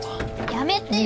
やめてよ！